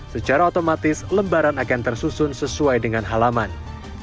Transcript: secara otomatis lembaran akan tersusun sesuai dengan hal hal yang diperlukan